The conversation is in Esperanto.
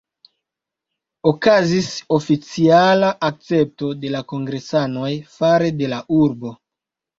Okazis oficiala akcepto de la kongresanoj fare de la urbo.